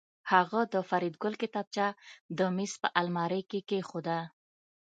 هغه د فریدګل کتابچه د میز په المارۍ کې کېښوده